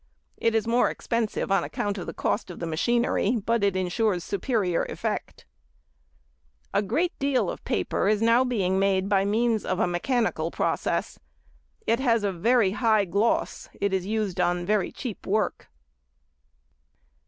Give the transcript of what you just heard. It is more expensive, on account of the cost of the machinery, but insures superior effect. A great deal of paper is now being made by means of a |74| mechanical process. It has a very high gloss; it is used on very cheap work.